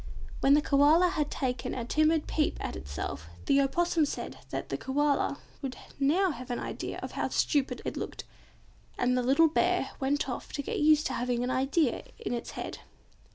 When the Koala had taken a timid peep at itself, the Opossum said that the Koala now had an idea of how stupid it looked, and the little bear went off to get used to having an idea in its head.